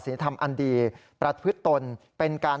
เพราะว่ามีทีมนี้ก็ตีความกันไปเยอะเลยนะครับ